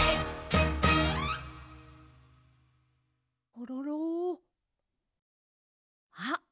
コロロあっ